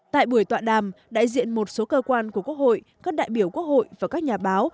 tại buổi tọa đàm đại diện một số cơ quan của quốc hội các đại biểu quốc hội và các nhà báo